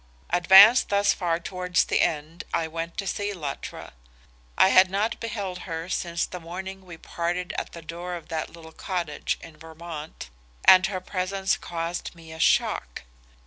"Advanced thus far towards the end, I went to see Luttra. I had not beheld her since the morning we parted at the door of that little cottage in Vermont, and her presence caused me a shock.